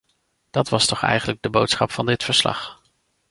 Dat was toch eigenlijk de boodschap van dit verslag.